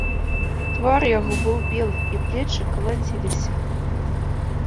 Твар яго быў белы, і плечы калаціліся.